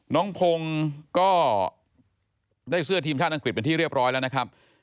น้องพงศ์ก็ได้เสื้อทีมชาติอังกฤษเป็นที่เรียบร้อยแล้วนะครับ